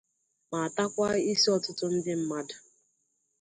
ma takwa isi ọtụtụ ndị mmadụ.